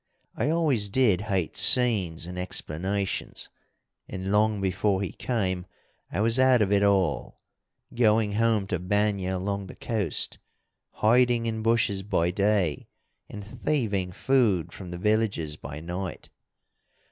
I always did hate scenes and explanations, and long before he came I was out of it all going home to Banya along the coast, hiding in bushes by day, and thieving food from the villages by night.